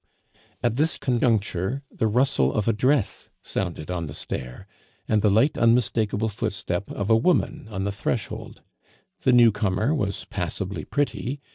At this conjuncture the rustle of a dress sounded on the stair, and the light unmistakable footstep of a woman on the threshold. The newcomer was passably pretty.